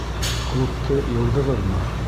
Клубты йыуҙығыҙмы?